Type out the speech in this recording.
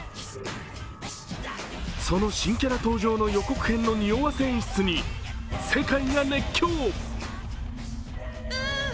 その新キャラ登場に予告編のにおわせ映像に世界が熱狂。